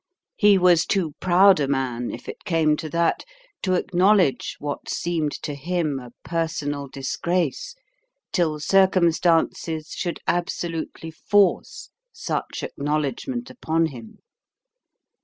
He was too proud a man, if it came to that, to acknowledge what seemed to him a personal disgrace, till circumstances should absolutely force such acknowledgment upon him.